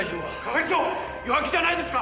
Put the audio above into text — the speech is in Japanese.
係長弱気じゃないですか！